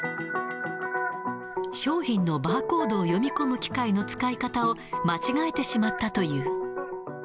商品のバーコードを読み込む機械を使い方を間違えてしまったという。